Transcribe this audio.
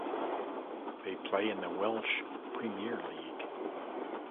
They play in the Welsh Premier League.